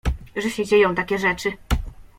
że się dzieją takie rzeczy.